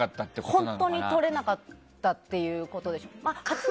本当にとれなかったっていうことでしょうね。